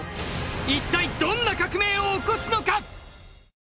いったいどんな革命を起こすのか？